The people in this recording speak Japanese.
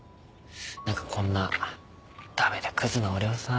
何かこんな駄目でクズな俺をさ。